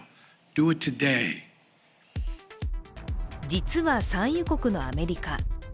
実は産油国のアメリカ。